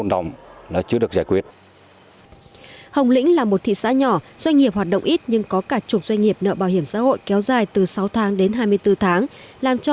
hồng bảo là một thị xã nhỏ trong sâu biển doanh nghiệp sâu biển và indigenous games